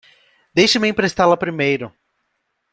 Deixe-me emprestá-la primeiro.